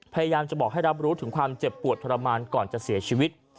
พยายามจะบอกให้รับรู้ถึงความเจ็บปวดทรมานก่อนจะเสียชีวิต